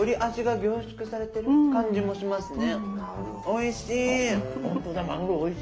おいしい。